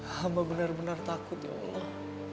hama benar benar takut ya allah